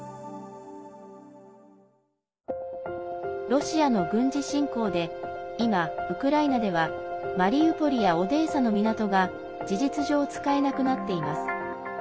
ロシアの軍事侵攻で今、ウクライナではマリウポリやオデーサの港が事実上、使えなくなっています。